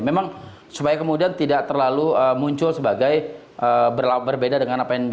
memang supaya kemudian tidak terlalu muncul sebagai berbeda dengan apa yang jadi apa kemudian